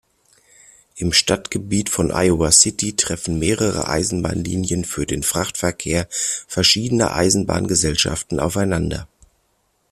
Im Stadtgebiet von Iowa City treffen mehrere Eisenbahnlinien für den Frachtverkehr verschiedener Eisenbahngesellschaften aufeinander.